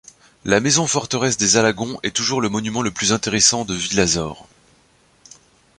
La maison forteresse des Alagon est toujours le monument le plus intéressant de Villasor.